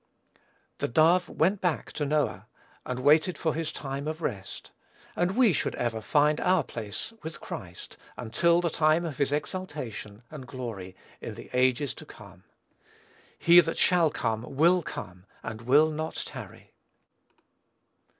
The dove went back to Noah, and waited for his time of rest; and we should ever find our place with Christ, until the time of his exaltation, and glory, in the ages to come. "He that shall come, will come, and will not tarry."